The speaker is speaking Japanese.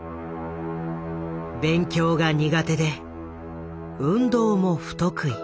勉強が苦手で運動も不得意。